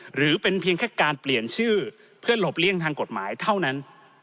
หรือเป็นเพียงแค่การเปลี่ยนชื่อเพื่อหลบเลี่ยงทางกฎหมายเท่านั้น